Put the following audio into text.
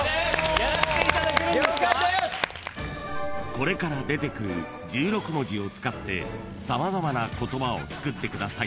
［これから出てくる１６文字を使って様々な言葉を作ってください］